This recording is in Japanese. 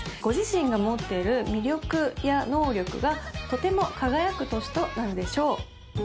ご自身が持っている魅力や能力がとても輝く年となるでしょう